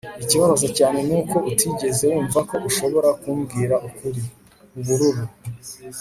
ikibabaza cyane nuko utigeze wumva ko ushobora kumbwira ukuri. (ubururu